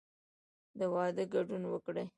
د واده ګډون وکړئ